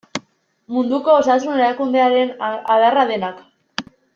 Munduko Osasun Erakundearen adarra denak.